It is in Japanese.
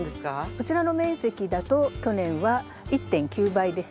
こちらの面積だと去年は１．９倍でした。